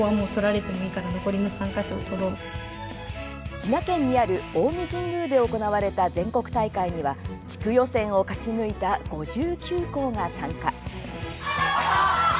滋賀県にある近江神宮で行われた全国大会には、地区予選を勝ち抜いた５９校が参加。